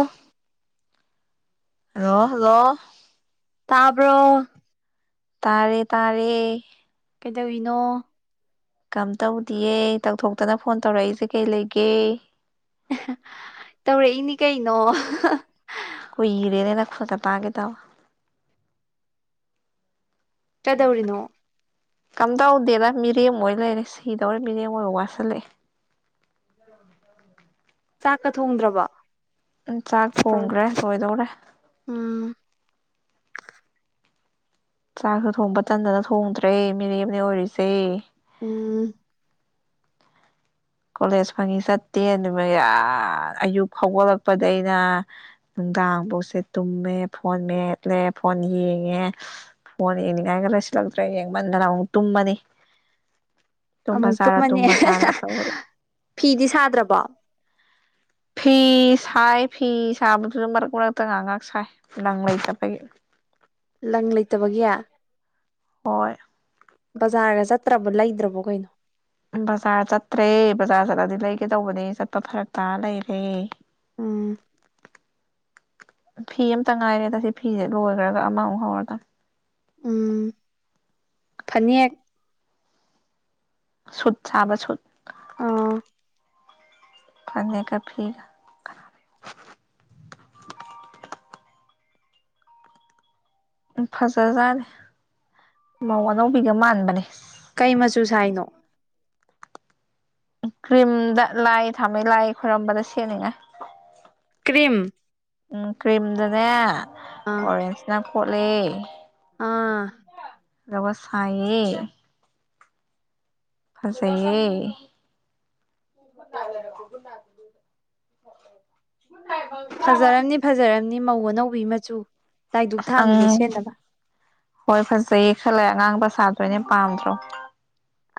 ꯑꯣ hello hello ꯇꯥꯕꯔꯣ ꯇꯥꯔꯦ ꯇꯥꯔꯦ ꯀꯩꯗꯧꯏꯅꯣ ꯀꯝ ꯇꯧꯗꯌꯦ ꯇꯧꯊꯣꯛꯇꯅ ꯐꯣꯟ ꯇꯧꯔꯛꯏꯁꯦ ꯀꯩ ꯂꯩꯒꯦ ꯇꯧꯔꯛꯏꯅꯤ ꯀꯩꯅꯣ ꯀꯣꯏꯔꯦꯅꯦ ꯅꯪꯩꯐꯣꯟꯒ ꯄꯥꯒꯇꯧꯕ ꯀꯩꯗꯧꯔꯤꯅꯣ ꯀꯝꯗꯧꯗꯦꯅ ꯃꯤꯔꯦꯝ ꯑꯣꯏ ꯂꯩꯔꯦ ꯁꯤꯗꯧꯔꯦ ꯃꯤꯔꯦꯝ ꯑꯣꯏꯕ ꯋꯥꯠꯁꯤꯜꯂꯛꯑꯦ ꯆꯥꯛꯀꯥ ꯊꯣꯡꯗ꯭ꯔꯕꯣ ꯎ ꯆꯥꯛ ꯊꯣꯡꯒꯥꯔꯦ ꯂꯣꯏꯗꯧꯔꯦ ꯎꯝ ꯆꯥꯛꯁꯨ ꯊꯣꯡꯕ ꯇꯟꯗꯅ ꯊꯣꯡꯗ꯭ꯔꯦ ꯃꯤꯔꯦꯕꯅꯤ ꯑꯣꯏꯔꯤꯁꯦ ꯎꯝ ꯀꯣꯂꯦꯖ ꯐꯪꯉꯤ ꯆꯠꯇꯦ ꯗꯨꯒ ꯑꯥ ꯑꯌꯨꯛ ꯍꯧꯒꯠꯂꯛꯄꯗꯒꯤꯅ ꯅꯨꯡꯗꯥꯡꯐꯥꯎꯁꯦ ꯇꯨꯝꯃꯦ ꯐꯣꯟ ꯃꯦꯠꯂꯦ ꯐꯣꯟ ꯌꯦꯡꯉꯦ ꯐꯣꯟ ꯌꯦꯡꯅꯤꯡꯉꯥꯏꯒ ꯂꯩꯁꯤꯜꯂꯛꯇ꯭ꯔꯦ ꯌꯦꯡꯃꯟꯗꯅ ꯑꯃꯨꯛ ꯇꯨꯝꯃꯅꯤ ꯇꯨꯝꯕ ꯑꯃꯨꯛ ꯆꯥꯔ ꯇꯨꯝꯅꯤ ꯇꯨꯝꯕ ꯆꯥꯔ ꯇꯧꯔꯦ ꯐꯤꯗꯤ ꯁꯥꯗ꯭ꯔꯕꯣ ꯐꯤ ꯁꯥꯏ ꯐꯤ ꯁꯥꯕꯗꯨꯁꯨ ꯃꯔꯛ ꯃꯔꯛꯇ ꯉꯥꯏꯍꯥꯛ ꯉꯥꯏꯍꯥꯛ ꯁꯥꯏ ꯂꯪ ꯂꯩꯇꯕꯥꯒꯤ ꯂꯪ ꯂꯩꯇꯕꯒꯤ ꯍꯣꯏ ꯕꯖꯥꯔꯒ ꯆꯠꯇ꯭ꯔꯕ ꯂꯩꯗ꯭ꯔꯕꯣ ꯀꯩꯅꯣ ꯕꯖꯥꯔ ꯆꯠꯇ꯭ꯔꯦ ꯕꯖꯥꯔ ꯆꯠꯂꯗꯤ ꯂꯩꯒꯦꯇꯧꯕꯅꯦ ꯆꯠꯄ ꯐꯔꯛꯇꯥ ꯂꯩꯔꯦ ꯎꯝ ꯐꯤ ꯑꯃꯇ ꯉꯥꯏꯔꯦꯗꯥ ꯁꯤ ꯐꯤꯁꯦ ꯂꯣꯏꯒꯔꯒ ꯑꯃꯃꯨꯛ ꯍꯧꯔꯗꯣꯅꯤ ꯎꯝ ꯐꯅꯦꯛ ꯁꯨꯠ ꯁꯥꯕ ꯁꯨꯠ ꯑꯥ ꯐꯅꯦꯛ ꯀꯥ ꯐꯤꯒꯥ ꯎ ꯐꯖꯖꯥꯠꯅꯤ ꯃꯧ ꯑꯅꯧꯕꯤꯒ ꯃꯥꯟꯕꯅꯤ ꯀꯩ ꯃꯆꯨ ꯁꯥꯏꯅꯣ ꯀ꯭ꯔꯤꯝꯗ ꯂꯥꯏ ꯊꯥꯝꯃꯩ ꯂꯥꯏ ꯈꯣꯏꯔꯝꯕꯗ ꯁꯦꯠꯅꯤꯡꯉꯥꯏ ꯀ꯭ꯔꯤꯝ ꯎꯝ ꯀ꯭ꯔꯤꯝꯗꯅꯦ ꯑꯥ ꯑꯣꯔꯦꯟꯖꯅ ꯈꯣꯠꯂ ꯑꯥ ꯗꯋꯥ ꯁꯥꯏꯌꯦ ꯐꯖꯩꯌꯦ [unintelligible] ꯐꯖꯔꯝꯅꯤ ꯐꯖꯔꯔꯕꯅꯤ ꯃꯧ ꯑꯅꯧꯕꯤ ꯃꯆꯨ ꯂꯥꯏꯗꯨꯛ ꯑꯪ ꯊꯥꯟꯕꯗ ꯁꯦꯠꯅꯕ ꯍꯣꯏ ꯐꯖꯩꯌꯦ ꯈꯜꯂꯦ ꯑꯉꯥꯡꯕ ꯁꯥꯗꯣꯏꯅꯦ ꯄꯥꯝꯗ꯭ꯔꯣ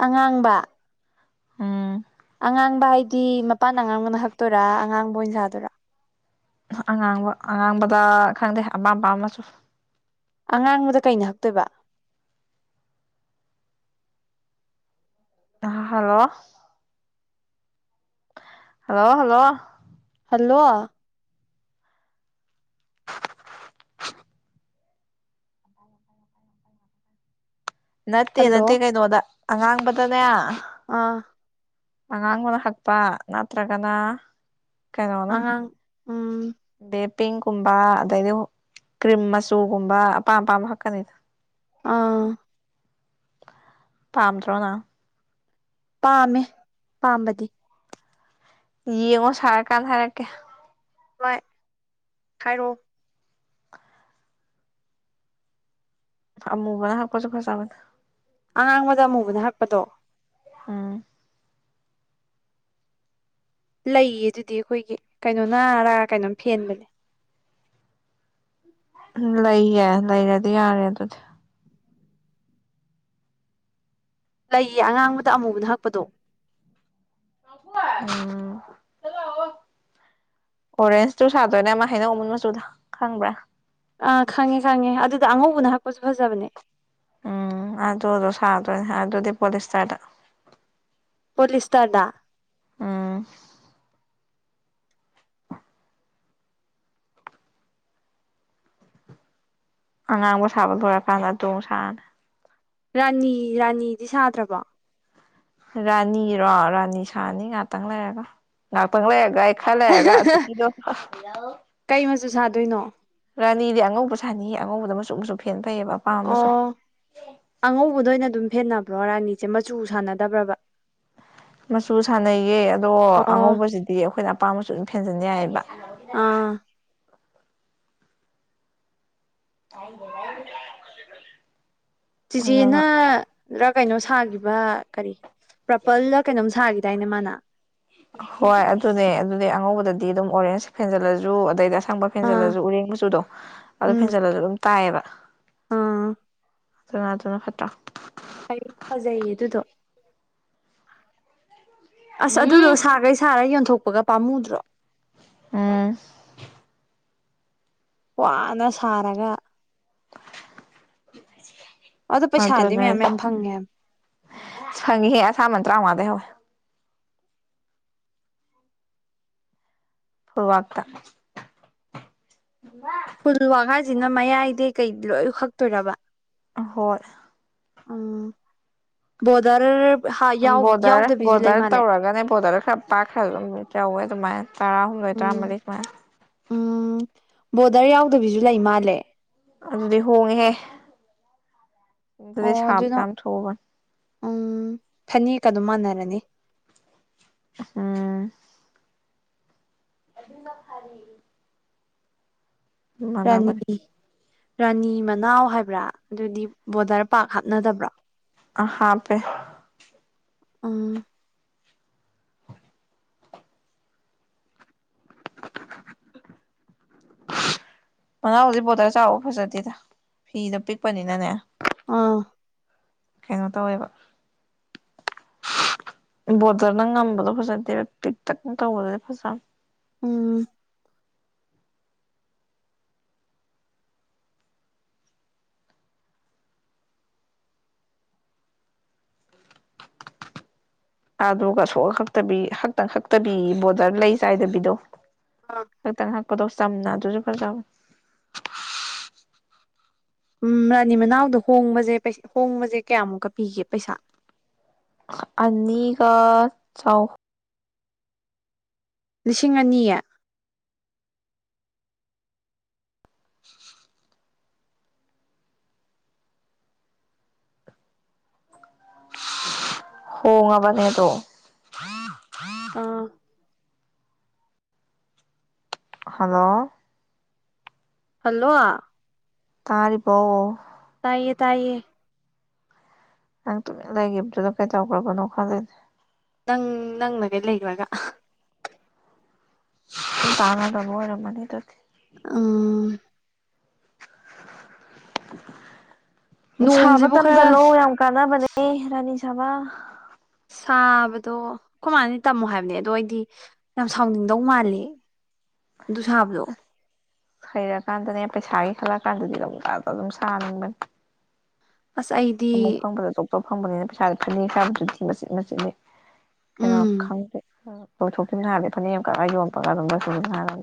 ꯑꯉꯥꯡꯕ ꯎꯝ ꯑꯉꯥꯡꯕ ꯍꯥꯏꯗꯤ ꯃꯄꯥꯟ ꯑꯉꯥꯡꯕꯅ ꯍꯛꯇꯣꯏꯣꯔꯥ ꯑꯉꯥꯡꯕ ꯑꯣꯏꯅꯁꯥꯗꯔꯥ ꯑꯉꯥꯡꯕ ꯑꯉꯥꯡꯕꯗ ꯈꯪꯗꯦ ꯑꯄꯥꯝ ꯑꯄꯥꯝ ꯑꯃꯁꯨ ꯑꯉꯥꯡꯕꯗ ꯀꯩꯅ ꯍꯛꯇꯣꯏꯕ ꯑ ꯍꯜꯂꯣ ꯍꯜꯂꯣ ꯍꯜꯂꯣ ꯍꯜꯂꯣ ꯅꯠꯇꯦ ꯍꯜꯂꯣ ꯅꯠꯇꯦ ꯀꯩꯅꯣꯗ ꯑꯉꯥꯡꯕꯗꯅꯦ ꯑꯥ ꯑꯉꯥꯡꯕꯅ ꯍꯛꯄ ꯅꯠꯇ꯭ꯔꯒꯅ ꯀꯩꯅꯣꯅ ꯑꯉꯥꯡ ꯎꯝ ꯕꯦꯄꯤꯡꯀꯨꯝꯕ ꯑꯗꯩꯗꯤ ꯀ꯭ꯔꯤꯝ ꯃꯆꯨꯒꯨꯝꯕ ꯑꯄꯥꯝ ꯑꯄꯥꯝꯕ ꯍꯛꯀꯅꯤ ꯑ ꯄꯥꯝꯗ꯭ꯔꯣ ꯅꯪ ꯄꯥꯝꯃꯦ ꯄꯥꯝꯕꯗꯤ ꯌꯦꯡꯉꯣ ꯁꯥꯔ ꯀꯥꯟ ꯍꯥꯏꯔꯛꯀꯦ ꯍꯣꯏ ꯍꯥꯏꯔꯛꯑꯣ ꯑꯃꯨꯕꯅ ꯍꯥꯛꯄꯁꯨ ꯐꯖꯕꯅꯤ ꯑꯉꯥꯡꯕꯗ ꯑꯃꯨꯕꯅ ꯍꯛꯄꯗꯣ ꯎꯝ ꯂꯩꯌꯦ ꯑꯗꯨꯗꯤ ꯑꯈꯣꯏꯒꯤ ꯀꯩꯅꯣꯅꯔꯥ ꯀꯩꯅꯣꯝ ꯐꯦꯟꯕꯅꯦ ꯂꯩꯌꯦ ꯂꯩꯔꯗꯤ ꯌꯥꯔꯦ ꯑꯗꯨꯗꯤ ꯂꯩꯌꯦ ꯑꯉꯥꯡꯕꯗ ꯑꯃꯨꯕꯅ ꯍꯛꯄꯗꯣ ꯎꯝ ꯑꯣꯔꯦꯟꯖꯇꯨ ꯁꯥꯗꯣꯏꯅꯦ ꯑꯃ ꯍꯥꯅꯧ ꯑꯃꯨꯟ ꯃꯆꯨꯗ ꯈꯪꯕ꯭ꯔꯥ ꯑꯥ ꯈꯪꯉꯦ ꯈꯪꯉꯦ ꯑꯗꯨꯗ ꯑꯉꯧꯕꯅ ꯍꯛꯄꯁꯨ ꯐꯖꯕꯅꯦ ꯎꯝ ꯑꯗꯨꯗꯣ ꯁꯥꯗꯣꯏꯅꯤ ꯑꯗꯨꯗꯤ ꯄꯣꯂꯤꯏꯇꯔꯗ ꯄꯣꯂꯤꯁꯇꯔꯗ ꯎꯝ ꯑꯉꯥꯡꯕ ꯁꯥꯕ ꯂꯣꯏꯔꯀꯥꯟꯗ ꯑꯗꯨꯃꯨꯛ ꯁꯥꯅꯤ ꯔꯥꯅꯤ ꯔꯥꯅꯤꯗꯤ ꯁꯥꯗ꯭ꯔꯕꯣ ꯔꯥꯅꯤꯔꯣ ꯔꯥꯅꯤ ꯁꯥꯅꯤ ꯉꯥꯛꯇꯪ ꯂꯩꯔꯒ ꯉꯥꯛꯇꯪ ꯂꯩꯔꯒ ꯌꯦ ꯈꯔ ꯂꯩꯔꯒ ꯑꯖꯤꯛꯀꯤꯗꯣ ꯀꯩ ꯃꯆꯨ ꯁꯥꯗꯣꯏꯅꯣ ꯔꯥꯅꯤꯗꯤ ꯑꯉꯧꯕ ꯁꯥꯅꯤꯍꯦ ꯑꯉꯧꯕꯗ ꯃꯆꯨ ꯃꯆꯨ ꯐꯦꯟ ꯐꯩꯑꯕ ꯑꯄꯥꯝꯕ ꯃꯆꯨ ꯑꯣ ꯑꯉꯧꯕꯗ ꯑꯣꯏꯅ ꯑꯗꯨꯝ ꯐꯦꯟꯅꯕ꯭ꯔꯣ ꯔꯥꯅꯤꯁꯦ ꯃꯆꯨ ꯁꯥꯟꯅꯗꯕ꯭ꯔꯕ ꯃꯆꯨ ꯁꯥꯟꯅꯩꯌꯦ ꯑꯗꯣ ꯑꯣ ꯑꯉꯧꯕꯁꯤꯗꯤ ꯑꯈꯣꯏꯅ ꯑꯄꯥꯝꯕ ꯃꯆꯨ ꯑꯗꯨꯝ ꯐꯦꯟꯖꯟ ꯌꯥꯏꯌꯦꯕ ꯑꯥ [unintelligible] ꯑꯗꯨꯅ ꯆꯤꯆꯦꯅꯔ ꯀꯩꯅꯣ ꯁꯥꯈꯤꯕ ꯀꯔꯤ ꯄ꯭ꯔꯄꯜꯂ ꯀꯩꯅꯣꯝ ꯁꯥꯈꯤꯗꯥꯏꯅꯦ ꯃꯥꯅ ꯍꯣꯏ ꯑꯗꯨꯅꯦ ꯑꯗꯨꯗꯤ ꯑꯉꯧꯕꯗꯗꯤ ꯑꯗꯨꯝ ꯑꯣꯔꯦꯟꯁ ꯐꯦꯟꯖꯤꯜꯂꯁꯨ ꯑꯗꯩꯗꯤ ꯑꯁ ꯁꯪꯕ ꯑꯥ ꯐꯦꯟꯖꯜꯂꯁꯨ ꯎꯔꯦꯡ ꯃꯆꯨꯗꯣ ꯑꯗꯨ ꯐꯦꯟꯖꯜꯂꯁꯨ ꯑꯗꯨꯝ ꯇꯥꯏꯌꯦꯕ ꯎꯝ ꯑꯗꯨꯅ ꯑꯗꯨꯅ ꯐꯠꯇ꯭ꯔꯥ ꯍꯣꯏ ꯐꯖꯩꯌꯦ ꯑꯗꯨꯗꯣ ꯑꯁ ꯑꯗꯨꯗꯣ ꯁꯥꯈꯩ ꯁꯥꯔ ꯌꯣꯟꯊꯣꯛꯄꯒ ꯄꯥꯝꯃꯨꯗ꯭ꯔꯣ ꯎꯝ ꯋꯥꯅ ꯁꯥꯔꯒ ꯑꯗꯣ ꯄꯩꯁꯥꯗꯤ ꯑꯗꯨꯅꯦ ꯃꯌꯥꯝ ꯃꯌꯥꯝ ꯐꯪꯉꯦ ꯍꯥꯏꯝ ꯐꯪꯉꯤꯍꯦ ꯑꯁꯥꯃꯟ ꯇ꯭ꯔꯥꯝꯉꯥ ꯗꯩ ꯍꯧꯋꯦ ꯐꯨꯛ ꯋꯥꯥꯛꯇ ꯐꯨꯜ ꯋꯥꯛ ꯍꯥꯏꯁꯤꯅ ꯃꯌꯥꯏꯗꯩ ꯀꯩ ꯂꯣꯏ ꯍꯛꯇꯣꯏꯔꯕ ꯑꯍꯣꯏ ꯎꯝ ꯕꯣꯗꯔ ꯕꯣꯔꯗꯔ ꯕꯣꯔꯗꯔ ꯇꯧꯔꯒꯅꯦ ꯕꯣꯔꯗꯔ ꯈꯔ ꯄꯥꯛ ꯈ꯭ꯔ ꯑꯗꯨꯝ ꯇꯧꯋꯦ ꯑꯗꯨꯃꯥꯏꯅ ꯇꯔꯥꯍꯨꯝꯗꯣꯏ ꯎꯝ ꯇꯔꯥꯃꯔꯤ ꯁꯨꯃꯥꯏꯅ ꯎꯝ ꯕꯣꯗꯔ ꯌꯥꯎꯗꯕꯤꯁꯨ ꯂꯩ ꯃꯥꯜꯂꯦ ꯑꯗꯨꯗꯤ ꯍꯣꯡꯉꯦꯍꯦ ꯑꯗꯨꯗꯤ ꯑꯣ ꯁꯥꯕꯁꯨ ꯑꯗꯨꯅ ꯌꯥꯝ ꯊꯨꯕꯅꯤ ꯎꯝ ꯐꯅꯦꯛꯀ ꯑꯗꯨꯝ ꯃꯥꯟꯅꯔꯅꯤ ꯎꯝ ꯑꯗꯨ ꯑꯗꯨꯅ ꯐꯔꯔꯤ ꯔꯥꯅꯤ ꯃꯥꯟꯅꯕꯅꯦ ꯔꯥꯅꯤ ꯃꯅꯥꯎ ꯍꯥꯏꯕ꯭ꯔꯥ ꯑꯗꯨꯗꯤ ꯕꯣꯗꯔ ꯄꯥꯔ ꯍꯥꯞꯅꯗꯕ꯭ꯔꯣ ꯑ ꯍꯥ ꯄꯦ ꯑꯝ [unintelligible] ꯃꯅꯥꯎꯗꯤꯛ ꯕꯣꯇꯜ ꯆꯥꯎꯕ ꯐꯖꯗꯦꯗ ꯐꯤꯗ ꯄꯤꯛꯄꯅꯤꯅꯅꯦ ꯑꯥ ꯀꯩꯅꯣ ꯇꯧꯋꯦꯕ ꯕꯣꯔꯗꯔꯅ ꯉꯝꯕꯗꯣ ꯐꯖꯗꯦ ꯄꯤꯛꯇꯛꯅ ꯇꯧꯕꯗꯗꯤ ꯐꯖ ꯎꯝ ꯑꯗꯨꯒ ꯁꯣꯛꯑ ꯈꯛꯇꯕꯤ ꯈꯛꯇꯪ ꯈꯛꯇꯕꯤ ꯕꯣꯗꯔ ꯂꯩ ꯆꯥꯏꯗꯕꯤꯗꯣ ꯑ ꯍꯛꯇꯪ ꯍꯥꯛꯄꯗꯣ ꯆꯝꯅ ꯑꯗꯨꯁꯨ ꯈꯔ ꯆꯥꯎꯥꯋꯦ ꯎꯝ ꯔꯥꯅꯤ ꯃꯅꯥꯎꯗꯣ ꯍꯣꯡꯕꯁꯦ ꯍꯣꯡꯕꯁꯦ ꯀꯌꯥꯃꯨꯛꯀ ꯄꯤꯒꯦ ꯄꯩꯁꯥ ꯑꯅꯤꯒ ꯆꯥꯎ ꯂꯤꯁꯤꯡ ꯑꯅꯤ ꯍꯣꯡꯉꯕꯅꯦꯍ ꯇꯣ ꯑꯥ ꯍꯜꯂꯣ ꯍꯜꯂꯣ ꯇꯥꯔꯔꯤꯕ ꯇꯥꯏꯌꯦ ꯇꯥꯏꯌꯦ ꯅꯪ ꯇꯨꯃꯤꯟꯅ ꯂꯩꯈꯤꯕꯗꯨꯗ ꯀꯩꯗꯧꯈ꯭ꯔꯕꯅꯣ ꯈꯜꯂꯦ ꯅꯪ ꯅꯪꯅꯒꯩ ꯂꯩꯈ꯭ꯔꯒ ꯇꯥꯅꯖꯕꯔ ꯃꯅꯤ ꯇ ꯑꯥ ꯁꯥꯕ ꯅꯣꯡꯁꯤꯕꯨ ꯈꯔ ꯇꯝꯁꯤꯜꯂꯣ ꯌꯥꯝ ꯀꯥꯟꯅꯕꯅꯦ ꯔꯥꯅꯤ ꯁꯥꯕ ꯁꯥꯕꯗꯣ ꯑꯩꯈꯣꯏ ꯃꯥꯅꯗꯤ ꯇꯝꯃꯣ ꯍꯥꯏꯕꯅꯦ ꯑꯗꯣ ꯑꯩꯗꯤ ꯌꯥꯝ ꯁꯥꯎꯅꯤꯡꯗꯧ ꯃꯥꯜꯂꯤ ꯗꯨꯁꯥꯅꯤ ꯍꯩꯔꯀꯥꯟꯗꯅꯦ ꯄꯩꯁꯥꯒꯤ ꯈꯜꯂ ꯀꯥꯟꯗꯗꯤ ꯂꯧꯕꯛꯇꯗ ꯑꯗꯨꯝ ꯁꯥꯅꯤꯡꯕꯅꯤ ꯑꯁ ꯑꯩ ꯑꯃꯨꯛ ꯐꯪꯕꯗ ꯑꯆꯣꯆꯣꯞ ꯐꯪꯕꯅꯤꯅ ꯄꯩꯁꯥ ꯐꯅꯥꯕꯁꯨꯗꯤꯤ ꯃꯆꯤꯠ ꯃꯆꯤꯠꯂꯤꯦ ꯀꯩꯅꯣ ꯎꯝ ꯈꯪꯗꯦ ꯂꯣꯏꯊꯣꯛꯈꯤꯕ ꯍꯥꯏꯔꯗꯤ ꯐꯅꯦꯛ ꯀ ꯌꯣꯟꯄꯒ ꯑꯗꯨꯝ ꯂ ꯍꯥꯏꯔ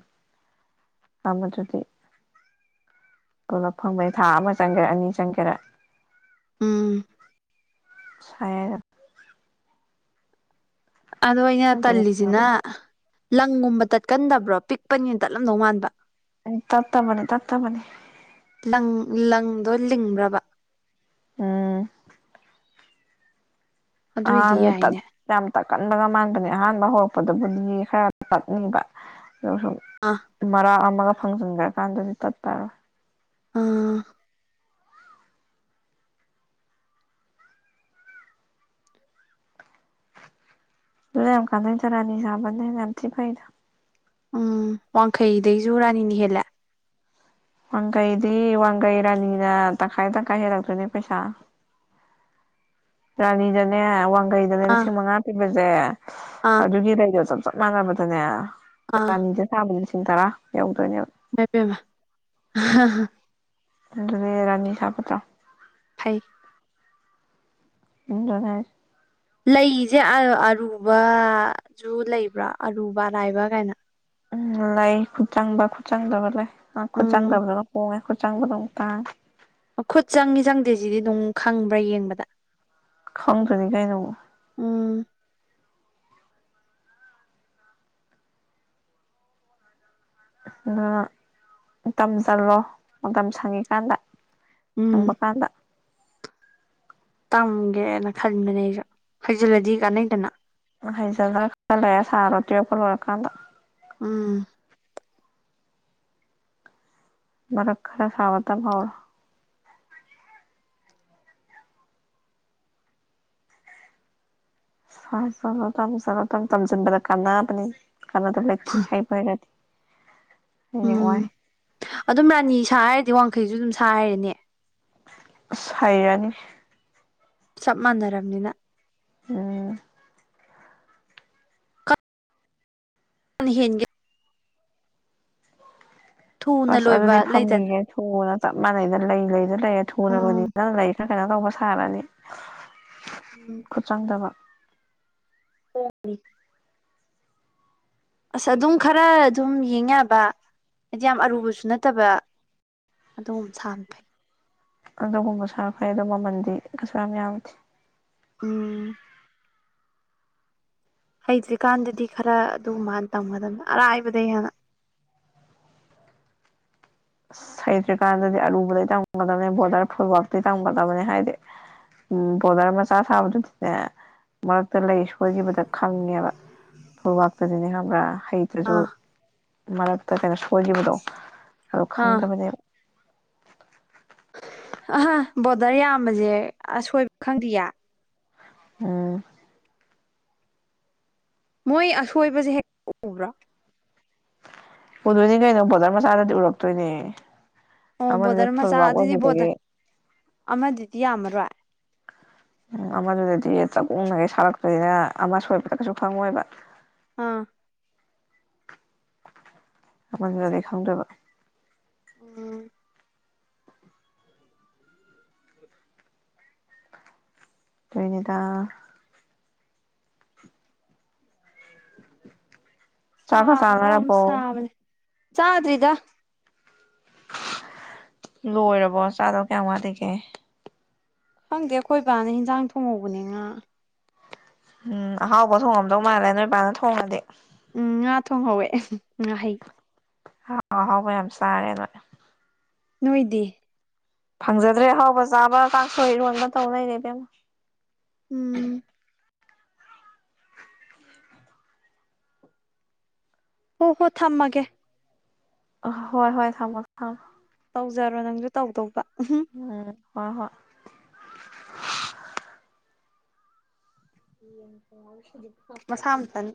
ꯑꯃꯗꯨꯗꯤ ꯀꯂꯞ ꯐꯪꯕꯅꯤ ꯊꯥ ꯑꯃ ꯆꯪꯒꯦꯔꯥ ꯑꯅꯤ ꯆꯪꯒꯦꯔꯥ ꯎꯝ ꯁꯦ ꯑꯗꯣ ꯑꯩꯅ ꯑꯗꯨꯅ ꯇꯜꯂꯤꯁꯤꯅ ꯐꯕꯅꯤ ꯂꯪꯒꯨꯝꯕ ꯇꯠꯀꯟꯗꯕ꯭ꯔꯣ ꯄꯤꯛꯄꯅꯤꯅ ꯇꯠꯂꯝꯗꯧ ꯃꯥꯟꯕ ꯇꯠꯇ ꯃꯅꯤꯅꯦ ꯇꯠꯇ ꯃꯅꯤ ꯂꯪ ꯂꯪꯗꯣ ꯂꯤꯡꯕ꯭ꯔꯕ ꯎꯝ ꯑꯗꯨꯏꯗꯤ ꯑꯃꯤꯇꯥ ꯌꯥꯏꯅꯦ ꯌꯥꯝ ꯇꯛꯀꯟꯕꯒ ꯃꯥꯟꯕꯅꯤ ꯑꯍꯥꯟꯕ ꯍꯧꯔꯛꯄꯗꯕꯨꯗꯤ ꯈꯔ ꯇꯠꯅꯤꯡꯕ ꯑꯗꯨꯒ ꯑꯥ ꯃꯔꯥꯛ ꯑꯃꯒ ꯐꯪꯖꯟꯈ꯭ꯔꯀꯥꯟꯗꯗꯤ ꯇꯠꯇꯔꯣꯏ ꯎꯥ ꯂꯩꯈ ꯅ ꯆꯔꯥꯅꯤ ꯆꯥꯅꯦ ꯌꯥꯥꯟꯁꯤ ꯐꯩꯗ ꯎꯝ ꯋꯥꯡꯈꯩꯗꯩꯁꯨ ꯔꯥꯅꯤꯅꯤ ꯍꯦꯜꯂꯦ ꯋꯥꯡꯈꯩꯗꯤ ꯋꯥꯡꯒꯩ ꯔꯥꯅꯤꯅ ꯇꯪꯈꯥꯏ ꯇꯪꯈꯥꯏ ꯍꯦꯜꯂꯛꯇꯣꯏꯅꯦ ꯄꯩꯁꯥ ꯔꯥꯅꯤꯗꯅꯦ ꯋꯥꯡꯒꯩꯗꯅꯦ ꯑꯥ ꯂꯤꯁꯤꯡ ꯃꯉꯥ ꯄꯤꯕꯁꯦ ꯑꯥ ꯑꯗꯨꯒꯤ ꯂꯩꯗꯣ ꯆ ꯆꯞ ꯃꯥꯟꯅꯕꯗꯅꯦ ꯑꯥ ꯔꯥꯅꯤꯗ ꯁꯥꯕꯗꯤ ꯂꯤꯁꯤꯡ ꯇꯔꯥ ꯌꯧꯗꯣꯏꯅꯦꯕ ꯗꯕꯦꯃ ꯑꯗꯨ ꯔꯥꯅꯤ ꯁꯥꯥꯄꯠꯇ꯭ꯔꯣ ꯐꯩ ꯏꯟꯗꯅꯦ ꯂꯩꯁꯦ ꯑꯔꯨꯕꯖꯨ ꯂꯩꯕ꯭ꯔꯥ ꯑꯔꯨꯕ ꯑꯔꯥꯏꯕ ꯀꯥꯏꯅ ꯎꯝ ꯂꯩ ꯈꯨꯠ ꯆꯪꯕ ꯈꯨꯠꯆꯪꯗꯕ ꯂꯩ ꯎꯝ ꯈꯨꯠꯆꯥꯡꯗꯕꯗ ꯍꯣꯡꯉꯦ ꯈꯨꯠꯆꯥꯡꯕꯗꯣꯝ ꯇꯥꯡꯉꯦ ꯈꯨꯠ ꯆꯪꯉꯤ ꯆꯪꯗꯦ ꯁꯤꯗꯤ ꯑꯗꯨꯝ ꯈꯪꯕ꯭ꯔꯥ ꯌꯦꯡꯕꯗ ꯈꯪꯗ꯭ꯔꯅꯤ ꯀꯩꯅꯣ ꯎꯝ ꯑꯗꯨ ꯃꯇꯝ ꯆꯜꯂꯣ ꯃꯇꯝ ꯁꯪꯉꯤꯀꯥꯟꯗ ꯎꯝ ꯁꯪꯕ ꯀꯥꯟꯗ ꯇꯝꯒꯦꯅ ꯈꯟꯕꯅꯦ ꯑꯩꯁꯨ ꯍꯩꯖꯤꯜꯂꯗꯤ ꯀꯥꯟꯅꯩꯗꯅ ꯍꯩꯖꯜꯂꯒ ꯈꯜ ꯂꯩꯔꯦ ꯁꯥꯔꯣ ꯇꯦꯛꯛꯄ ꯂꯣꯏꯔꯀꯥꯟꯗ ꯎꯝ ꯔ ꯈꯔ ꯁꯕ ꯇ ꯐꯔ ꯆꯠꯂꯣ ꯇꯝ ꯆꯠꯂꯣ ꯇꯝ ꯇꯝꯁꯤꯟꯕꯗ ꯀꯥꯟꯕꯅꯤ ꯀꯥꯟꯅꯕ ꯂꯩꯇꯦ ꯍꯥꯏꯕ ꯍꯥꯏꯔꯗꯤ ꯅꯨꯡꯥꯏ ꯎꯝ ꯑꯗꯨꯝ ꯔꯥꯅꯤ ꯁꯥ ꯍꯥꯏꯔꯗꯤ ꯋꯥꯡꯈꯩꯁꯨ ꯑꯗꯨꯝ ꯁꯥ ꯍꯥꯏꯔꯦꯅꯦ ꯍꯥꯏꯩꯔꯅꯤ ꯆꯞ ꯃꯥꯟꯅꯔꯕꯅꯤꯅ ꯎꯝ ꯍꯒ ꯊꯨꯅ ꯑꯁ ꯂꯣꯏꯕ ꯑꯗꯨꯗꯤ ꯂꯩꯗꯅ ꯐꯝꯃꯤꯒꯦ ꯊꯨꯅ ꯆꯞ ꯃꯥꯟꯅꯩꯅ ꯂꯩ ꯂꯩꯗ ꯂꯩꯌꯦꯦ ꯊꯨꯅ ꯎꯝ ꯂꯣꯏꯅꯤꯡꯗꯅ ꯂꯩ ꯀꯩꯅꯣ ꯇꯧꯕ ꯁꯥꯔꯅꯤ ꯎꯝ ꯈꯨꯠ ꯆꯪꯗꯕ ꯍꯅꯤ ꯑꯁ ꯑꯗꯨꯝ ꯈꯔ ꯑꯗꯨꯝ ꯌꯦꯡ ꯌꯥꯕ ꯍꯥꯏꯗꯤ ꯌꯥꯝ ꯑꯔꯨꯕꯁꯨ ꯅꯠꯇꯕ ꯑꯗꯨꯝ ꯁꯅ ꯐꯩ ꯑꯗꯨꯒꯨꯝꯕ ꯁꯥꯈꯩ ꯑꯗꯣ ꯃꯃꯟꯗꯤ ꯀꯩꯁꯨ ꯌꯥꯝ ꯌꯥꯝꯗꯦ ꯎꯝ ꯍꯩꯇ꯭ꯔꯤꯀꯥꯟꯗꯗꯤ ꯈꯔ ꯑꯗꯨ ꯃꯥꯅ ꯇꯝꯒꯗꯕꯅꯤ ꯑꯔꯥꯏꯕꯗꯩ ꯍꯥꯟꯅ ꯍꯩꯇ꯭ꯔꯤꯀꯥꯟꯗꯗꯤ ꯑꯔꯨꯕꯗ ꯇꯝꯒꯗꯕꯅꯤ ꯕꯣꯔꯗꯔ ꯐꯨꯠꯕꯇꯩꯩ ꯇꯝꯒꯗꯕꯅꯤ ꯍꯥꯏꯗꯤ ꯎ ꯕꯣꯔꯗꯔ ꯃꯆꯥ ꯁꯥꯕꯗꯨ ꯃꯔꯛꯇ ꯂꯩ ꯁꯣꯏꯈꯤꯕꯗ ꯈꯪꯉꯦꯕ ꯐꯧꯕꯥꯛꯇꯗꯤꯅꯦ ꯈꯪꯕ꯭ꯔꯥ ꯍꯩꯇꯁꯨ ꯑꯥ ꯃꯔꯛꯇ ꯀꯩꯅꯣ ꯁꯣꯏꯈꯤꯕꯗꯣ ꯑꯗꯣ ꯑꯥ ꯈꯪꯗꯕꯅꯦ ꯑꯍꯥ ꯕꯣꯔꯗꯔ ꯌꯥꯝꯕꯁꯦ ꯑꯁꯣꯏꯕ ꯈꯪꯗꯦꯌꯥ ꯑꯥ ꯃꯣꯏ ꯑꯁꯣꯏꯕꯁꯦ ꯍꯦꯛ ꯎꯕ꯭ꯔꯥ ꯎꯗꯣꯏꯅꯤ ꯀꯩꯅꯣ ꯕꯣꯔꯗꯔ ꯃꯆꯥꯗꯗꯤ ꯎꯔꯛꯇꯣꯏꯅꯦ ꯑꯣ ꯑꯃꯗꯨꯅꯦ ꯕꯣꯔꯗꯔ ꯐꯨꯜꯕꯥꯛ ꯑꯣꯏꯈꯤꯕꯒꯤ ꯑꯃꯗꯤ ꯌꯥꯝꯃꯔꯣꯏ ꯎꯝ ꯑꯃꯥꯁꯨꯗꯤ ꯆ ꯀꯣꯡꯅꯦ ꯁꯔꯠ ꯁꯣꯏꯕ ꯀꯩꯁꯨ ꯈꯉ ꯑꯣꯏꯕ ꯑꯥ ꯃꯅꯗꯤ ꯈꯪꯗ꯭ꯔꯕ ꯑꯣ [unintelligible] ꯇꯣꯏꯅꯤꯗ ꯆꯥꯛꯀ ꯁꯥꯅ ꯃꯔꯣ ꯆꯥꯅꯔꯕꯣ ꯁꯥꯕꯅꯦ ꯆꯥꯗ꯭ꯔꯤꯗ ꯂꯣꯏꯔꯕꯣ ꯆꯥꯗꯧ ꯀꯌꯥꯝ ꯋꯥꯠꯂꯤꯒꯦ ꯈꯪꯗꯦ ꯑꯩꯈꯣꯏ ꯏꯕꯥꯅ ꯍꯟꯖꯥꯡ ꯊꯣꯡꯍꯧꯕꯅꯤꯅ ꯎꯝ ꯑꯍꯥꯎꯕ ꯊꯣꯡꯉꯝꯗꯧ ꯃꯥꯜꯂꯦ ꯅꯣꯏ ꯏꯄꯥꯅ ꯊꯣꯡꯡꯂꯗꯤ ꯎꯝ ꯉꯥ ꯊꯣꯡꯍꯧꯋꯦ ꯉꯥꯍꯩ ꯍ ꯍꯥꯎꯌꯥꯝ ꯁꯔꯦ ꯅ ꯅꯣꯏꯗꯤ ꯐꯪꯖꯗ꯭ꯔꯦ ꯑꯍꯥꯎꯕ ꯆꯥꯕ ꯀꯥꯡꯥꯛ ꯁꯣꯏ ꯏꯔꯣꯟꯕ ꯇꯧꯅꯩꯅꯦꯦꯕꯦꯝꯃ ꯎꯝ ꯍꯣ ꯍꯣ ꯊꯝꯃꯒꯦ ꯍꯣꯏ ꯍꯣꯏ ꯊꯝꯃꯣ ꯊꯝ ꯇꯧꯖꯔꯣ ꯅꯪꯁꯨ ꯇꯧꯗꯧꯕ ꯍꯔ ꯍ [unintelligible] ꯃꯁꯥꯝꯇꯟ